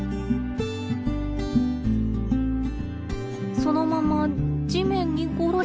そのまま地面にごろり！